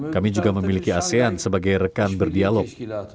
kami juga memiliki asean sebagai rekan berdialog